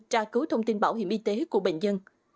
tra cứu thông tin bảo hiểm y tế của bệnh dân